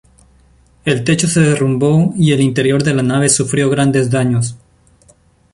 El techo se derrumbó y el interior de la nave sufrió grandes daños.